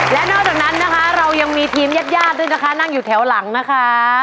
และนอกจากนั้นนะคะเรายังมีทีมญาติญาติด้วยนะคะนั่งอยู่แถวหลังนะคะ